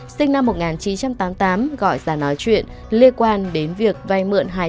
sinh năm một nghìn chín trăm tám mươi tám gọi ra nói chuyện liên quan đến việc vai mượn